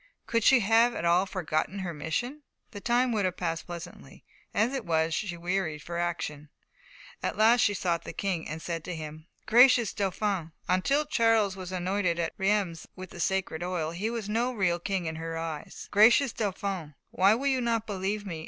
Could she have at all forgotten her mission, the time would have passed pleasantly; as it was, she wearied for action. At last she sought the King, and said to him: "Gracious Dauphin" until Charles was anointed at Reims with the sacred oil, he was no real king in her eyes "Gracious Dauphin, why will you not believe me?